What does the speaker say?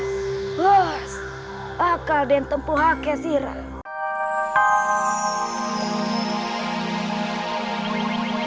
aku akan menemukan mereka